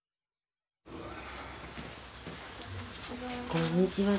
こんにちは。